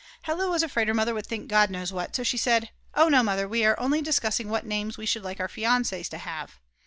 Hella was afraid her mother would think God knows what, so she said: "Oh no, Mother, we were only discussing what names we should like our fiances to have."